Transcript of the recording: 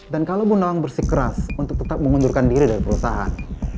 dan kalau bunawang bersikeras untuk tetap mengundurkan diri dari perusahaan